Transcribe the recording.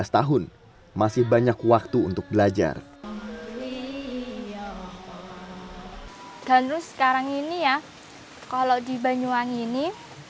tahun masih banyak waktu untuk belajar dan terus sekarang ini ya kalau di banyuwangi ini